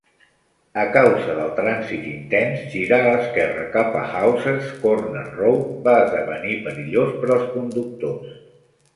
A causa del trànsit intens, girar a l'esquerra cap a Houses Corner Road va esdevenir perillós per als conductors.